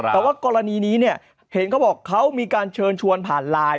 แต่ว่ากรณีนี้เนี่ยเห็นเขาบอกเขามีการเชิญชวนผ่านไลน์